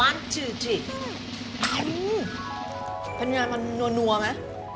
อันนี้มันนัวมั้ย